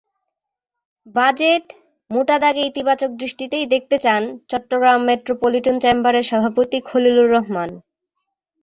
Budget মোটা দাগে ইতিবাচক দৃষ্টিতেই দেখতে চান চট্টগ্রাম মেট্রোপলিটন চেম্বারের সভাপতি খলিলুর রহমান।